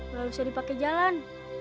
gak usah dipake jalan